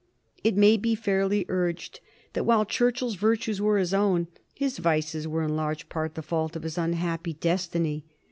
It may be fairly urged that while Churchill's virtues were his own, his vices were in large part the fault of his unhappy destiny.